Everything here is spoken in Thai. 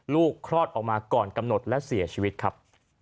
คลอดออกมาก่อนกำหนดและเสียชีวิตครับ